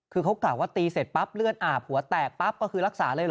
คือเขากล่าวว่าตีเสร็จปั๊บเลือดอาบหัวแตกปั๊บก็คือรักษาเลยเห